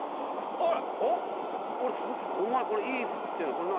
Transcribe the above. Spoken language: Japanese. あれお前これいい服着てるな